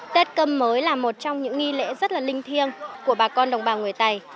tết cơm mới là một trong những nghi lễ rất là linh thiêng của bà con đồng bào người tây